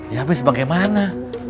ya abis bagaimana